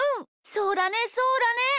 そうだねそうだね！